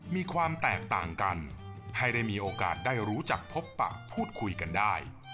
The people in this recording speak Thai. มีความแตกต่างกันให้ได้มีโอกาสได้รู้จักพบปะพูดคุยกันได้